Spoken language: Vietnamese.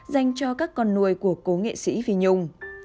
dành cho các con nuôi của cô nghệ sĩ phi nhung